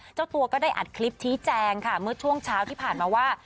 เจ้าตัวก็ได้อัดคลิปชี้แจงค่ะเมื่อช่วงเช้าที่ผ่านมาว่า